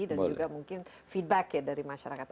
dan juga mungkin feedback ya dari masyarakat